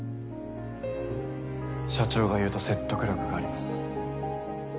社長が言うと説得力があります。